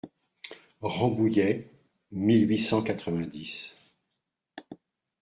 Rambouillet, mille huit cent quatre-vingt-dix.